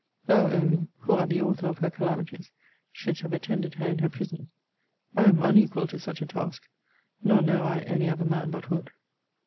Thou only, who art the author of her calamities, shouldst have attended her in her prison. I am unequal to such a task: nor know I any other man but would.